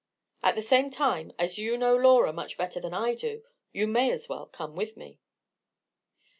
At the same time, as you know Laura much better than I do, you may as well come with me."